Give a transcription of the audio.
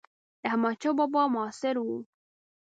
د احمدشاه بابا معاصر و.